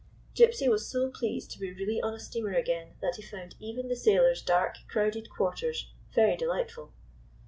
Gypsy was so pleased to be really on a steamer again that he found even the sailors' dark, crowded quarters very delightful.